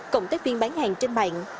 cộng tác viên bán hàng trên mạng